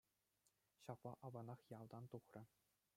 Ҫапла аванах ялтан тухрӗ.